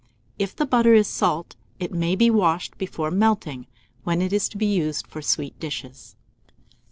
If the butter is salt, it may be washed before melting, when it is to be used for sweet dishes.